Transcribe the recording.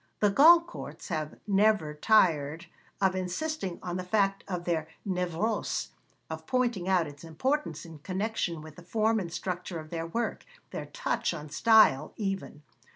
The Goncourts have never tired of insisting on the fact of their névrose, of pointing out its importance in connection with the form and structure of their work, their touch on style, even.